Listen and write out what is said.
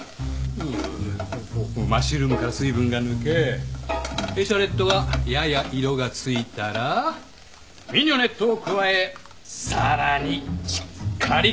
マッシュルームから水分が抜けエシャロットがやや色がついたらミニョネットを加えさらにしっかりかき混ぜながら炒める。